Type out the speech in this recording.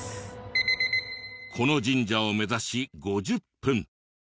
この神社を目指し５０分。